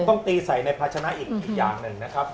ต้องตีใส่ในภาชนะอีกอย่างหนึ่งนะครับ